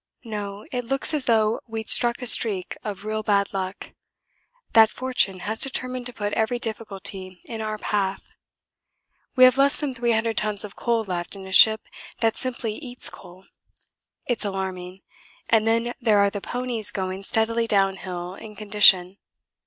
No, it looks as though we'd struck a streak of real bad luck; that fortune has determined to put every difficulty in our path. We have less than 300 tons of coal left in a ship that simply eats coal. It's alarming and then there are the ponies going steadily down hill in condition.